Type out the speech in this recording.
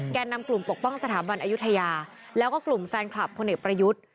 นำกลุ่มปกป้องสถาบันอายุทยาแล้วก็กลุ่มแฟนคลับพลเอกประยุทธ์